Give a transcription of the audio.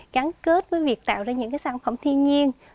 gắn kết với việc tạo ra những sản phẩm thiên nhiên